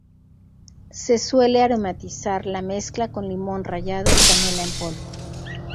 Se suele aromatizar la mezcla con limón rallado y canela en polvo.